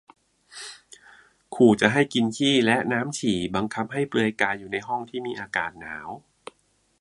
ขู่จะให้ 'กินขี้' และ 'น้ำฉี่' บังคับให้เปลือยกายอยู่ในห้องที่มีอากาศหนาว